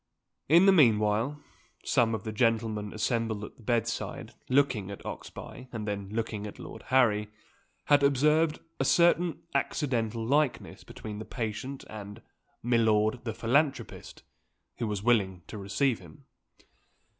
In the meanwhile, some of the gentlemen assembled at the bedside, looking at Oxbye and then looking at Lord Harry, had observed a certain accidental likeness between the patient and "Milord, the philanthropist," who was willing to receive him.